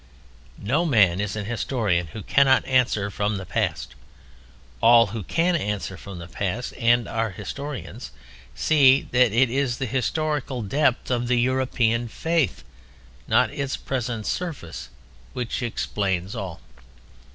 No man is an historian who cannot answer from the past. All who can answer from the past, and are historians, see that it is the historical depth of the European faith, not its present surface, which explains all.